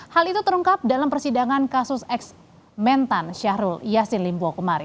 hal itu terungkap dalam persidangan kasus eksmentan syahrul yassin limbo kemarin